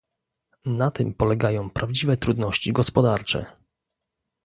Na tym polegają prawdziwe trudności gospodarcze